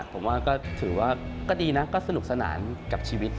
ผมว่าก็ถือว่าก็ดีนะก็สนุกสนานกับชีวิต